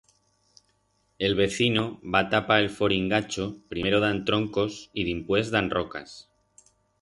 El vecino va tapar el foringacho primero dan troncos y dimpués dan rocas.